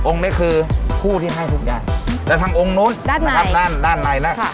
องค์เนี่ยคือผู้ที่ให้ทุกอย่างแล้วทำองค์นู้นด้านในนะครับ